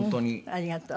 ありがとう。